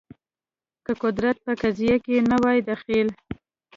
که قدرت په قضیه کې نه وای دخیل